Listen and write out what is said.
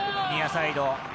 ニアサイド。